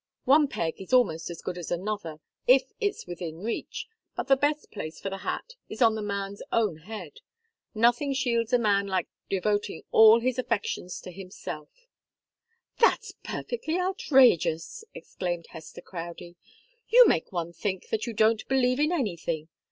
One peg is almost as good as another if it's within reach; but the best place for the hat is on the man's own head. Nothing shields a man like devoting all his affections to himself." "That's perfectly outrageous!" exclaimed Hester Crowdie. "You make one think that you don't believe in anything!